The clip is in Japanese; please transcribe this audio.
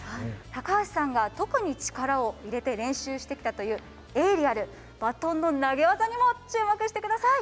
高橋さんが特に力を入れて練習してきたというエーリアル、バトンの投げ技にも注目してください。